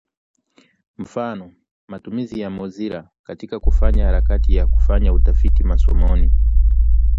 mfano: matumizi ya ‘Mozilla’ katika harakati ya kufanya utafiti masomoni